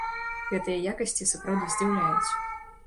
Гэтыя якасці сапраўды здзіўляюць.